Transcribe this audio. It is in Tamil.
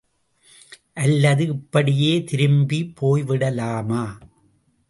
அல்லது இப்படியே திரும்பி போய்விடலாமா?